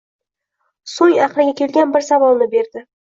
So'ng aqliga kelgan bir savolni berdi: